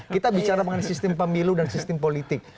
kita bicara mengenai sistem pemilu dan sistem politik